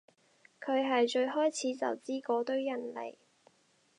佢係最開始就知嗰堆人嚟